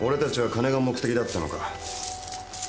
金が目当てだったのか。